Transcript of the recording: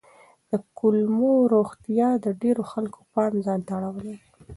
د کولمو روغتیا د ډېرو خلکو پام ځان ته اړولی دی.